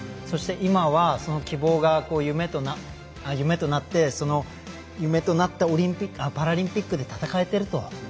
そして、今はそして、その希望が夢となってその夢となったパラリンピックで戦えていると。